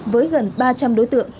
với gần ba trăm linh đối tượng